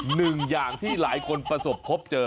หนึ่งอย่างที่หลายคนประสบพบเจอ